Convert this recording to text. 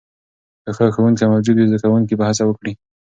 که ښه ښوونکې موجود وي، زده کوونکي به هڅه وکړي.